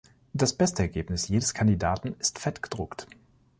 Das beste Ergebnis jedes Kandidaten ist fett gedruckt.